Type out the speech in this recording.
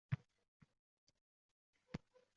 Bu tarafini ham o‘ylang.